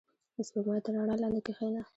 • د سپوږمۍ تر رڼا لاندې کښېنه.